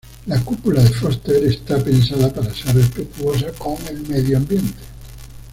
La cúpula de Foster está pensada para ser respetuosa con el medio ambiente.